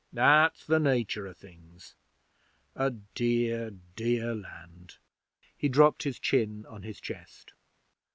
That's the nature o' things. A dear dear land.' He dropped his chin on his chest.